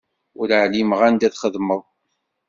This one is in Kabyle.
Ur εlimeɣ anda txeddmeḍ.